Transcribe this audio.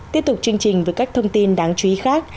tiếp tục chương trình với các thông tin đáng chú ý khác